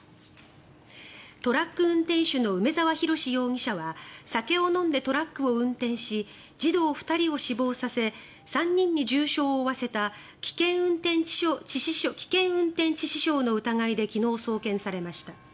トラック運転手の梅沢洋容疑者は酒を飲んでトラックを運転し児童２人を死亡させ３人に重傷を負わせた危険運転致死傷の疑いで昨日、送検されました。